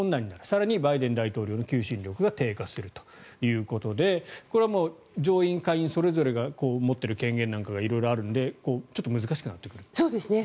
更にバイデン大統領の求心力が低下するということでこれは上院・下院それぞれが持っている権限なんかが色々あるのでちょっと難しくなってくると。